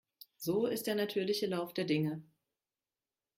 So ist der natürliche Lauf der Dinge.